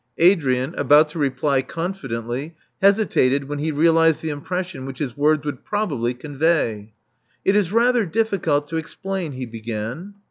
Adrian, about to reply confidently, hesitated when he realized the impression which his words would probably convey. *'It is rather difficult to explain," he began.